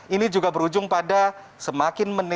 ini juga berujung pada semakin meningkat